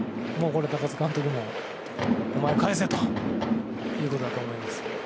これ高津監督もおまえ、かえせということだと思います。